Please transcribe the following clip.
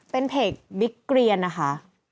เป็นเพจบิ๊กเกรียนนะคะ